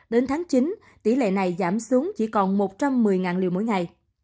đến tháng chín tỷ lệ này giảm xuống chỉ còn một trăm một mươi liều mỗi ngày